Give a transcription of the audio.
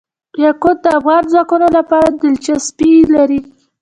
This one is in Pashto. یاقوت د افغان ځوانانو لپاره دلچسپي لري.